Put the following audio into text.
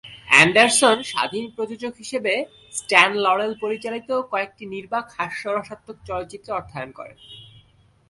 Anderson স্বাধীন প্রযোজক হিসেবে স্ট্যান লরেল পরিচালিত কয়েকটি নির্বাক হাস্যরসাত্মক চলচ্চিত্রে অর্থায়ন করেন।